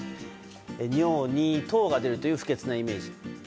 尿に糖が出るという不潔なイメージ。